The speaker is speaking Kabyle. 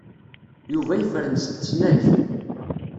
Yuba yefren s tesnagt.